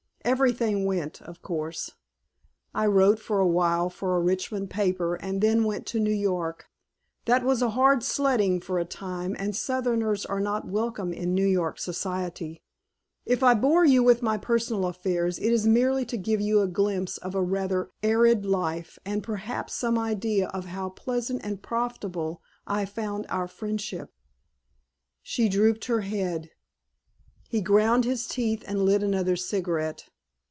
Everything went, of course. I wrote for a while for a Richmond paper and then went to New York. That was hard sledding for a time and Southerners are not welcome in New York Society. If I bore you with my personal affairs it is merely to give you a glimpse of a rather arid life, and, perhaps, some idea of how pleasant and profitable I have found our friendship." She drooped her head. He ground his teeth and lit another cigarette.